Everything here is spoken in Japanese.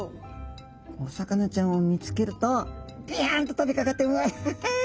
お魚ちゃんを見つけるとピヤンと飛びかかってわい！